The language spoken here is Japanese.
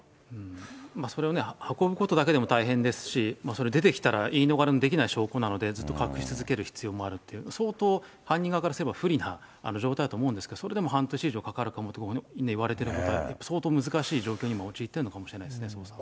それをね、運ぶことだけでも大変ですし、それ、出てきたら、言い逃れのできない証拠ですので、ずっと隠し続ける必要もあるっていう、相当犯人側からすれば不利な状態だと思うんですけど、それでも半年以上かかるかもと言われてるって、相当難しい状況に今、陥っているのかもしれませんね、捜査が。